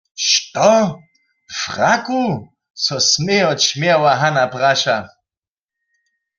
Što? „W fraku?“, so smějo čmjeła Hana praša.